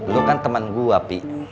lu kan temen gue pi